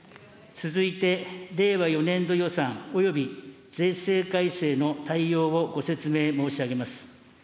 続いて令和４年度予算および税制改正の大要をご説明申し上げます。